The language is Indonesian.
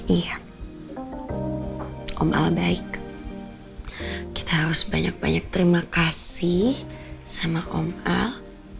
iya om al baik kita harus banyak banyak terima kasih sama om al